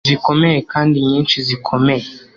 zikomeye kandi nyinshi zikomeye